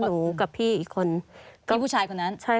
เหลือพี่คนนั้นกับคุณบีใช่